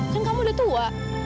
kan kamu udah tua